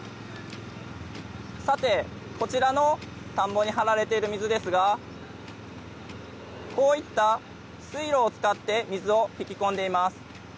さて、こちらの田んぼにはられている水ですがこういった水路を伝って水を引き込んでいます。